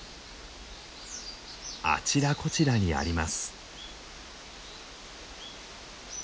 あちらこちらにあります。